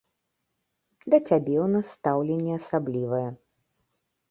Да цябе ў нас стаўленне асаблівае.